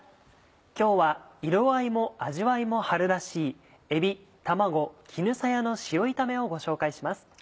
今日は色合いも味わいも春らしい「えび卵絹さやの塩炒め」をご紹介します。